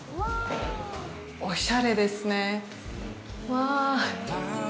おしゃれですね。